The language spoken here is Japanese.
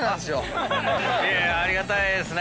いやいやありがたいですね。